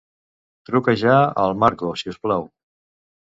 Truca ja al Marco, si us plau.